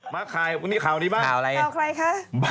มาแคลไทยอนี้ข่าวนี้บ้าง